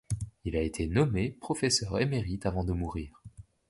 Il a été nommé professeur émérite avant de mourir.